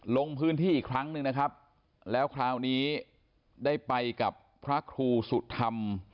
ลงพื้นที่อีกครั้งหนึ่งนะครับแล้วคราวนี้ได้ไปกับพระครูสุธรรม